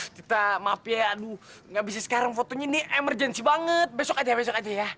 kita maaf ya aduh gak bisa sekarang fotonya ini emergency banget besok aja besok aja ya